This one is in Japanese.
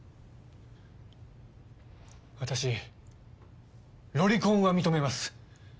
私ロリコンは認めます。